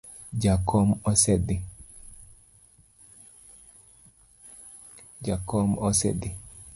Jakom osedhi